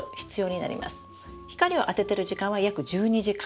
光をあててる時間は約１２時間。